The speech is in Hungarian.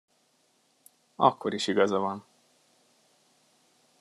Akkor is igaza van.